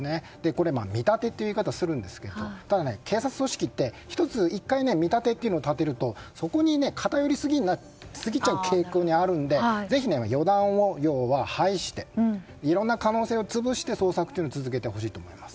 これは見立てという言い方をするんですがただ警察組織って１回見立てを立てるとそこに偏りすぎちゃう傾向にあるのでぜひ、予断を排していろんな可能性を潰して捜索を続けてほしいと思います。